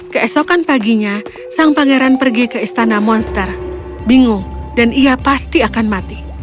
keesokan paginya sang pangeran pergi ke istana monster bingung dan ia pasti akan mati